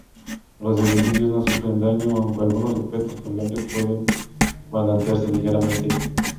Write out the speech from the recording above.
Los edificios no sufren daño, aunque algunos objetos colgantes pueden balancearse ligeramente.